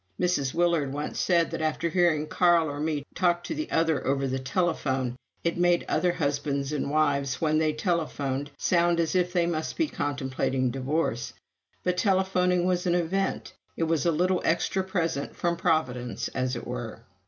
Mrs. Willard once said that after hearing Carl or me talk to the other over the telephone, it made other husbands and wives when they telephoned sound as if they must be contemplating divorce. But telephoning was an event: it was a little extra present from Providence, as it were.